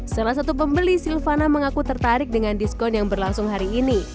salah satu pembeli silvana mengaku tertarik dengan diskon yang berlangsung hari ini